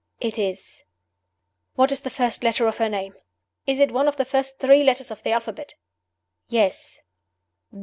"It is." "What is the first letter of her name? Is it one of the first three letters of the alphabet?" "Yes."